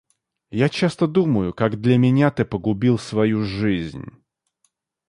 Я часто думаю, как для меня ты погубил свою жизнь.